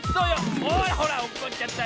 ほらほらおっこっちゃった。